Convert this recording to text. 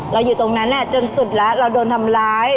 อยู่ตรงนั้นจนสุดแล้วเราโดนทำร้าย